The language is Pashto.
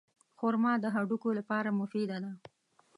خرما د هډوکو لپاره مفیده ده.